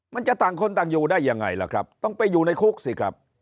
มันจะต่างคนต่างอยู่ได้ยังไงล่ะครับต้องไปอยู่ในคุกสิครับ